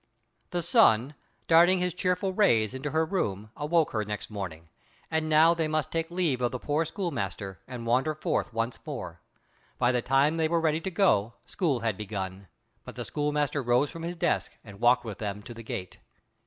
The sun darting his cheerful rays into she room awoke her next morning; and now they must take leave of the poor schoolmaster, and wander forth once more. By the time they were ready to go school had begun. But the schoolmaster rose from his desk and walked with them to the gate.